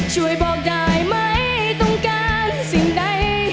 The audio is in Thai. ช่วยบอกได้ไหมต้องการสิ่งใด